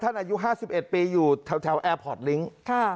อายุ๕๑ปีอยู่แถวแอร์พอร์ตลิงค์